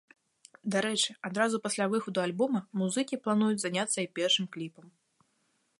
Дарэчы, адразу пасля выхаду альбома музыкі плануюць заняцца і першым кліпам.